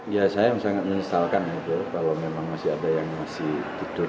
ya saya sangat menyesalkan gitu kalau memang masih ada yang masih tidur